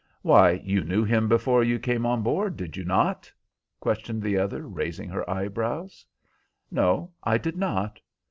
"Why, you knew him before you came on board, did you not?" questioned the other, raising her eyebrows. "No, I did not."